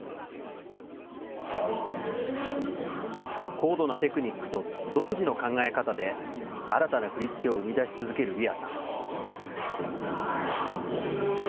高度なテクニックと独自の考え方で、新たな振り付けを生み出し続けるリアさん。